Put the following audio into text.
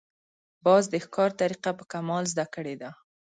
باز د ښکار طریقه په کمال زده کړې ده